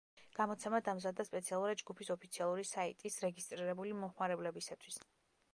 გამოცემა დამზადდა სპეციალურად ჯგუფის ოფიციალური საიტის რეგისტრირებული მომხმარებლებისათვის.